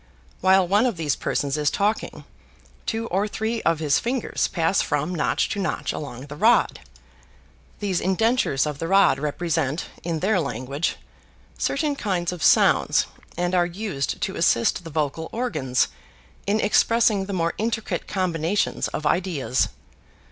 While one of these persons is talking, two or three of his fingers pass from notch to notch along the rod. These indentures of the rod represent, in their language, certain kinds of sounds and are used to assist the vocal organs in expressing the more intricate combinations of ideas.